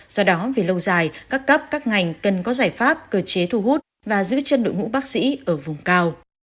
do đó về lâu dài các cấp các ngành cần có giải pháp cơ chế thu hút và giữ chân đội ngũ bác sĩ ở vùng cao